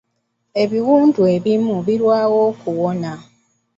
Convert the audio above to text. Ebiwundu ebimu birwawo okuwona.